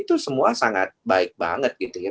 itu semua sangat baik banget gitu ya